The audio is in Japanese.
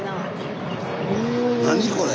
何これ。